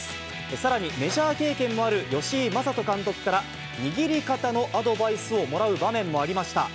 さらにメジャー経験もある吉井まさと監督から握り方のアドバイスをもらう場面もありました。